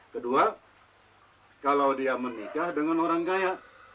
kedua kalau dia menikah dengan orang kaya